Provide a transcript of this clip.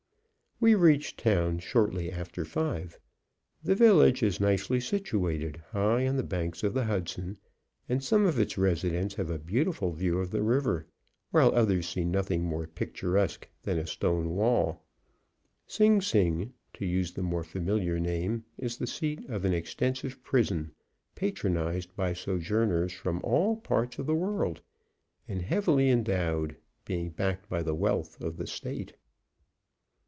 We reached town shortly after five. The village is nicely situated high on the banks of the Hudson, and some of its residents have a beautiful view of the river, while others see nothing more picturesque than a stone wall. Sing Sing, to use the more familiar name, is the seat of an extensive prison, patronized by sojourners from all parts of the world and heavily endowed, being backed by the wealth of the State.